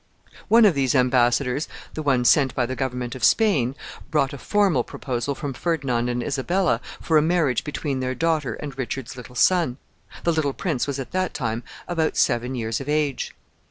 One of these embassadors, the one sent by the government of Spain, brought a formal proposal from Ferdinand and Isabella for a marriage between their daughter and Richard's little son. The little prince was at that time about seven years of age.